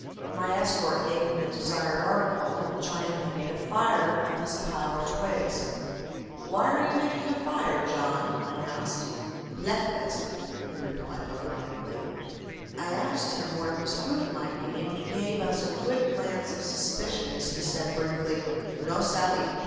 "My escort gave him the desired article, and the Chinaman made a fire of his pile of twigs. 'Why are you making a fire, John?' I asked. "'Bleakfast,' he replied laconically. "I asked him where his food might be, and he gave us a quick glance of suspicion as he said briefly, 'No sabbe.